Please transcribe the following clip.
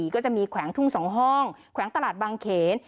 ก็จะมีแขวงทุ่ง๒ห้องแขวงตลาดบางเขน